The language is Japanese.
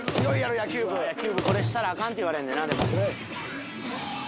野球部これしたらアカンって言われんねんな。